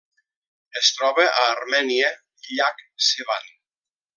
Es troba a Armènia: llac Sevan.